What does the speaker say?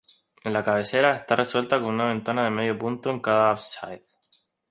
En la cabecera, está resuelta con una ventana de medio punto en cada ábside.